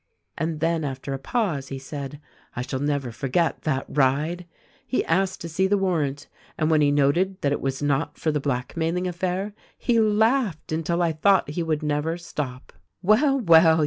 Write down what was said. And then after a pause he said, "I shall never forget that ride ! He asked to see the warrant, and when he noted that it was not for the blackmailing affair he laughed until I thought he would never stop. " 'Well ! Well